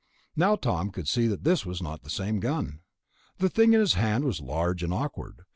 Now Tom could see that this was not the same gun. The thing in his hand was large and awkward.